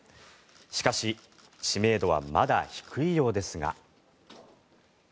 しかし知名度はまだ低いようですが。